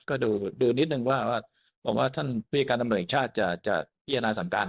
ก็ดูนิดนึงว่าบอกว่าท่านพิจารณาตำรวจเอกชาติจะเยี่ยนอาจสำการ